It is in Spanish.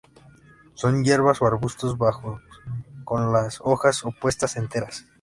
Son hierbas o arbustos bajos con las hojas opuestas, enteras.